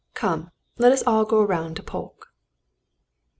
"Come let us all go round to Polke."